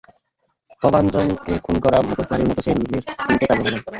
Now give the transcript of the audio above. প্রভাঞ্জনকে খুন করা মুখোশধারীর মতো সে নিজের টিমকে কাজে লাগায়।